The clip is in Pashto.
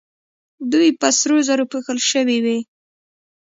دوی په سرو زرو پوښل شوې وې